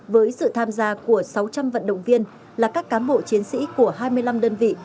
với sự tham gia của sáu trăm linh vận động viên là các cám bộ chiến sĩ của hai mươi năm đơn vị